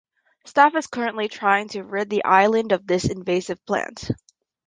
Staff is currently trying to rid the island of this invasive plant.